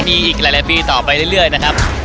มีอีกหลายปีต่อไปเรื่อยนะครับ